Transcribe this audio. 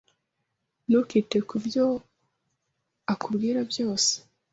Ntukite kubyo akubwira byose.